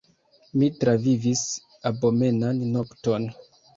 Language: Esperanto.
Mi travivis abomenan nokton.